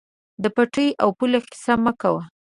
د پټي او پولې قیصه مه کوه.